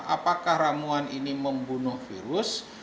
apakah ramuan ini membunuh virus